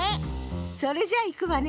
それじゃいくわね。